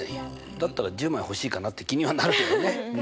だったら１０枚欲しいかなって気にはなるけどね。